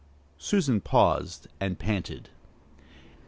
Susan paused and panted.